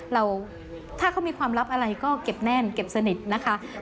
เราถ้าเขามีความลับอะไรก็เก็บแน่นเก็บสนิทนะคะ